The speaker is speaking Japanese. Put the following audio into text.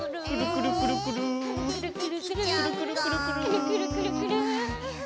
くるくるくるくる！